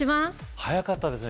早かったですね